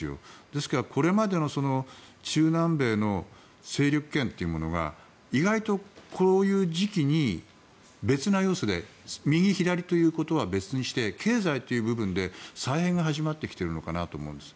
ですからこれまでの勢力圏というものが意外とこういう時期に別な要素で右左ということは別にして経済という部分で再編が始まってきているのかなと思うんです。